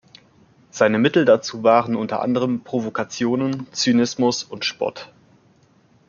Seine Mittel dazu waren unter anderem Provokationen, Zynismus und Spott.